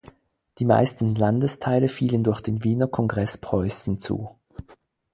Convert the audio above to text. Die meisten Landesteile fielen durch den Wiener Kongress Preußen zu.